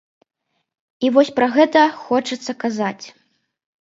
І вось пра гэта хочацца казаць.